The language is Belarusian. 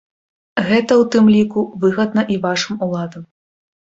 Гэта, у тым ліку, выгадна і вашым уладам.